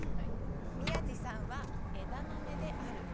宮治さんは枝豆である。